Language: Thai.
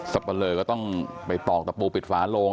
สับประเหลอกก็ต้องไปตอกตะปูปิดฝานลง